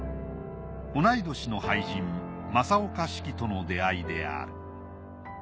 同い年の俳人正岡子規との出会いである。